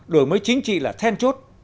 đổi mới chính trị là then chốt